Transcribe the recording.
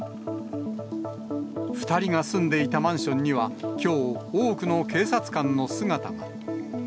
２人が住んでいたマンションには、きょう、多くの警察官の姿が。